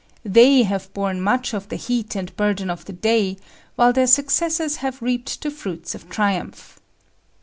They have borne much of the heat and burden of the day, while their successors have reaped the fruits of triumph.